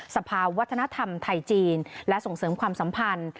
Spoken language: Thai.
สภาวัฒนธรรมไทยจีนและส่งเสริมความสัมพันธ์